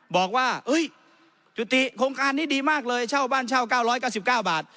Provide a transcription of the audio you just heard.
บอกว่าเอ้ยสุธิโครงการนี้ดีมากเลยเช่าบ้านเช่าเก้าร้อยกับสิบเก้าบาท